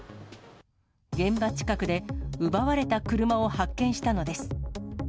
現場近くで、奪われた車を発見したのです。